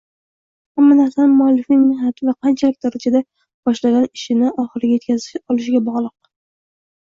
Hamma narsa muallifning mehnati va qanchalik darajada boshlagan ishini oxiriga yetkaza olishiga bog’liq